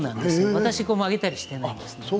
私、曲げたりはしていないんです。